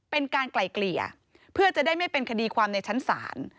ไกล่เกลี่ยเพื่อจะได้ไม่เป็นคดีความในชั้นศาล